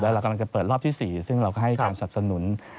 เรากำลังจะเปิดรอบที่๔ซึ่งเราก็ให้ความสับสนุน